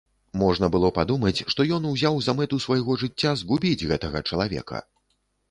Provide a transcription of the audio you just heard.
Можна было падумаць, што ён узяў за мэту свайго жыцця згубіць гэтага чалавека.